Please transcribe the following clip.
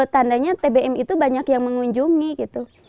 tandanya tbm itu banyak yang mengunjungi gitu